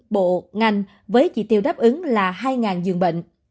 bộ ngành với chỉ tiêu đáp ứng là hai giường bệnh